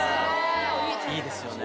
いいですよね。